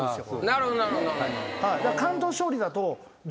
なるほどなるほど。